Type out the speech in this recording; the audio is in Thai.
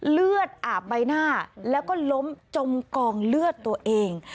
เลือดอาบใบหน้าแล้วก็ล้มจมกองเลือดตัวเอง